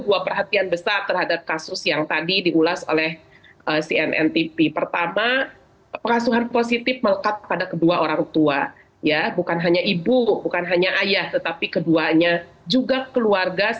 dua perhatian besar terhadap kasus yang tadi diulas oleh cnn tv pertama perasuhan positif melekat pada